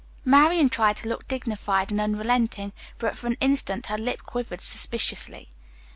Marian tried to look dignified and unrelenting, but for an instant her lip quivered suspiciously.